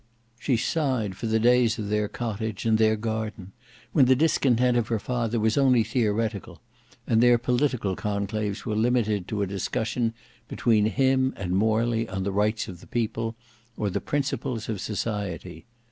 She sighed for the days of their cottage and their garden, when the discontent of her father was only theoretical, and their political conclaves were limited to a discussion between him and Morley on the rights of the people or the principles of society.